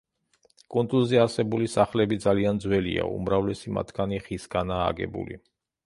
კუნძულზე არსებული სახლები ძალიან ძველია, უმრავლესი მათგანი ხისგანაა აგებული.